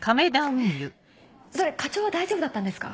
えっそれ課長は大丈夫だったんですか？